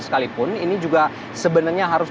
sekalipun ini juga sebenarnya harus